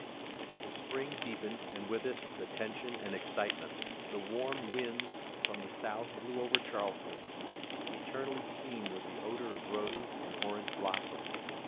The spring deepened and with it the tension and excitement. The warm winds from the South blew over Charleston, eternally keen with the odor of rose and orange blossom.